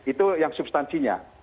itu yang substansinya